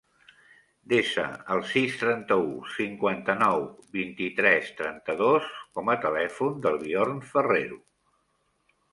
Desa el sis, trenta-u, cinquanta-nou, vint-i-tres, trenta-dos com a telèfon del Bjorn Ferrero.